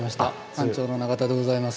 館長の永田でございます。